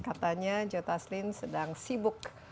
katanya joe taslim sedang sibuk